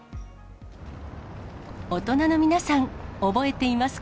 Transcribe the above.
大人の皆さん、覚えていますか？